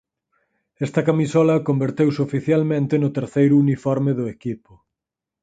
Esta camisola converteuse oficialmente no terceiro uniforme do equipo.